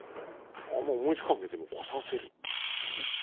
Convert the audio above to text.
あんま思いつかんねでも。来させる？